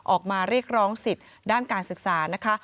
ออกมาเรียกร้องสิทธิ์ด้านการศึกษานะคะ